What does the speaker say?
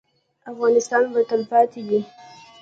افغانستان به تلپاتې وي؟